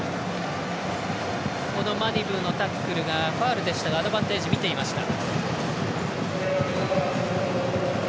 マディブーのタックルがファウルでしたがアドバンテージをみていました。